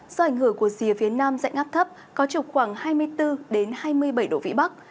gió ảnh hưởng của dìa phía nam dạy ngáp thấp có trục khoảng hai mươi bốn hai mươi bảy độ vĩ bắc